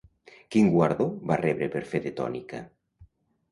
Quin guardó va rebre per fer de Tonica?